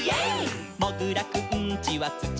「もぐらくんちはつちのなか」「」